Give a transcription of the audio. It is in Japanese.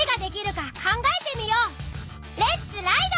レッツライド！